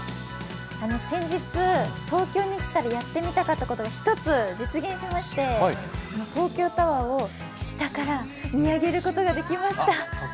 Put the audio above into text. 先日東京に来たらやってみたことが１つ、実現しまして、東京タワーを下から見上げることができました。